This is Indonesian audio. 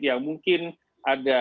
yang mungkin ada